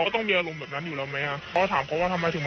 อธิบาย